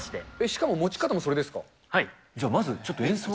しかも持ち方もそれですか。